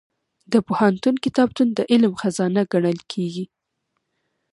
د پوهنتون کتابتون د علم خزانه ګڼل کېږي.